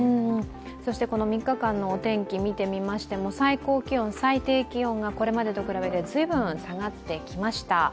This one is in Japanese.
そして、この３日間のお天気を見てみましても、最高気温、最低気温がこれまでと比べてずいぶん下がってきました。